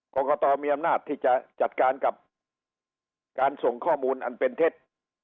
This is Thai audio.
กรกตมีอำนาจที่จะจัดการกับการส่งข้อมูลอันเป็นเท็จ